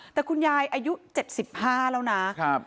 แต่คุณยายอายุเจ็ดสิบห้าแล้วนะครับ